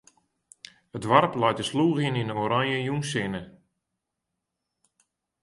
It doarp leit te slûgjen yn 'e oranje jûnssinne.